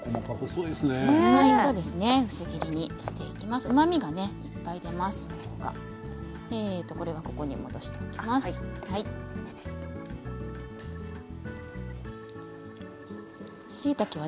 うまみがいっぱい出ますから。